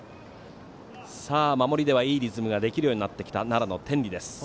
守りではいいリズムができるようになってきた奈良・天理。